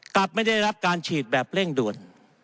กลับไม่ได้รับการฉีดแบบเร่งด่วน